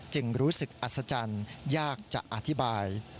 รู้สึกอัศจรรย์ยากจะอธิบาย